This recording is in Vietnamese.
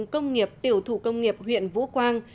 công nghiệp tiểu thủ công nghiệp huyện vũ quang